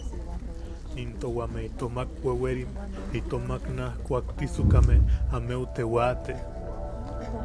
Into wame itomak wewerim, itomak naaj kuaktisukame, ameu te waate.